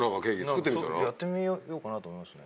やってみようかなと思いますよね。